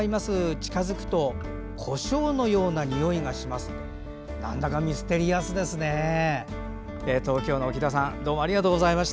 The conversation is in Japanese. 近づくとこしょうのようなにおいがします。